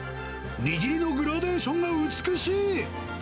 握りのグラデーションが美しい。